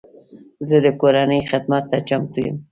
زه د کورنۍ خدمت ته چمتو یم.